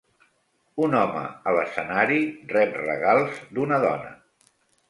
Un home a l'escenari rep regals d'una dona.